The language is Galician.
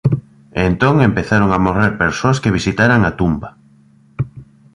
E entón empezaron a morrer persoas que visitaran a tumba.